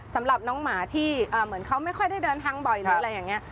สำหรับน้องหมาที่เหมือนเขาไม่ค่อยได้เดินทางบ่อยหรืออะไรอย่างนี้